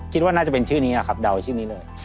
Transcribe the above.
คิดว่าน่าจะเป็นชื่อนี้แหละครับเดาชื่อนี้เลย